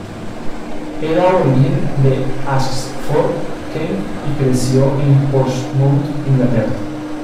Era aborigen de Ashford, Kent, y creció en Portsmouth, Inglaterra.